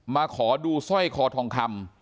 มาขอดูสร้อยคอทองคำ